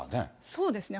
そうですね。